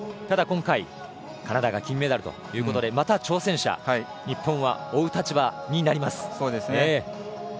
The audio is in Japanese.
ただ今回カナダが金メダルということでまた、挑戦者日本は追う立場になります。